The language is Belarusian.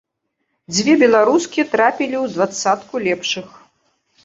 Дзве беларускі трапілі ў дваццатку лепшых.